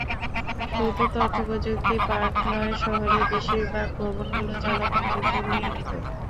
শুধু তথ্যপ্রযুক্তি পার্ক নয়, শহরের বেশির ভাগ ভবনগুলো জলাভূমির ওপর নির্মিত।